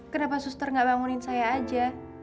kenapa suster nggak bangunin saya aja